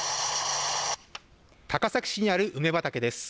高崎市にある梅畑です。